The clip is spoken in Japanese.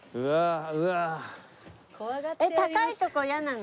えっ高いとこ嫌なの？